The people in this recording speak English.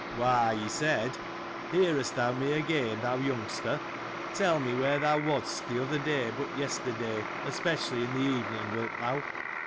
— Why, he said : Hearest thou me again, thou young ster ? Tell me where thou wast, the other day but yesterday, especially in the evening, wilt thou